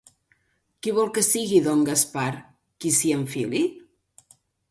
Qui vol que sigui don Gaspar qui s'hi enfili?